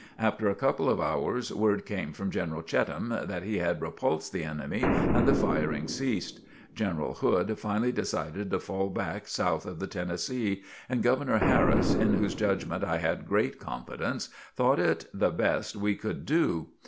After a couple of hours, word came from General Cheatham that he had repulsed the enemy, and the firing ceased. General Hood finally decided to fall back south of the Tennessee; and Governor Harris, in whose judgment I had great confidence, thought it the best we could do.